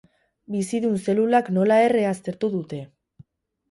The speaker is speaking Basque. Minbizidun zelulak nola erre aztertu dute.